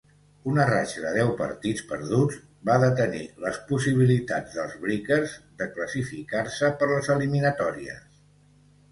Una ratxa de deu partits perduts va detenir les possibilitats dels Breakers de classificar-se per les eliminatòries.